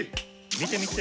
見て見て。